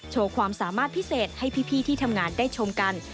ความสามารถพิเศษให้พี่ที่ทำงานได้ชมกัน